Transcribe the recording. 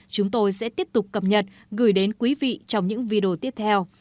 chúng tôi sẽ tiếp tục cập nhật gửi đến quý vị trong những video tiếp theo